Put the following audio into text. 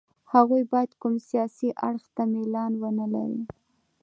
هغوی باید کوم سیاسي اړخ ته میلان ونه لري.